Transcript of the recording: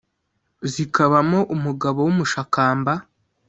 zikabamo umugabo w' umushakamba,